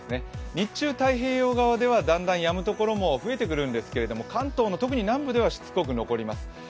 日中、太平洋側ではだんだんやむところが増えてくるんですけど、関東の、特に南部ではしつこく残ります。